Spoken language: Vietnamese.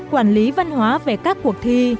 quản lý văn hóa về các cuộc thi